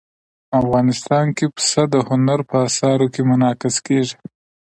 افغانستان کې پسه د هنر په اثار کې منعکس کېږي.